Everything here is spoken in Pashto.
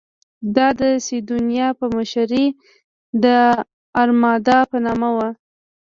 دا د سیدونیا په مشرۍ د ارمادا په نامه وه.